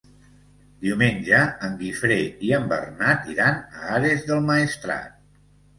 Diumenge en Guifré i en Bernat iran a Ares del Maestrat.